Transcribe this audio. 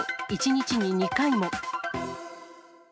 １日に２回も。